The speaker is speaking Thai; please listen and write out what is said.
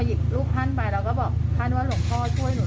หยิบรูปท่านไปแล้วก็บอกท่านว่าหลวงพ่อช่วยหนู